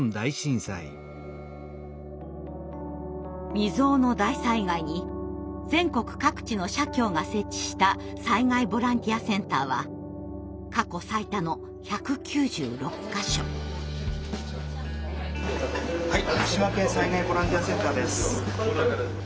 未曽有の大災害に全国各地の社協が設置した災害ボランティアセンターははい福島県災害ボランティアセンターです。